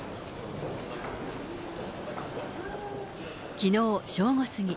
きのう正午過ぎ。